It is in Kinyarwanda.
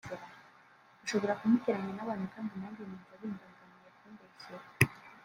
bishobora kumuteranya n’abantu kandi nanjye numva bimbangamiye kumbeshyera